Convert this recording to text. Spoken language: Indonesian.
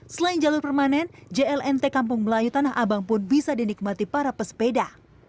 selain jalur permanen jlnt kampung melayu tanah abang pun bisa dinikmati para pesepeda